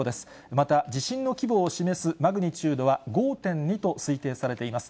また地震の規模を示すマグニチュードは５．２と推定されています。